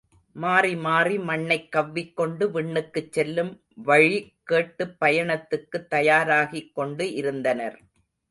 மாறிமாறி மண்ணைக் கவ்விக் கொண்டு விண்ணுக்குச் செல்லும் வழி கேட்டுப் பயணத்துக்குத் தயாராகிக் கொண்டு இருந்தனர்.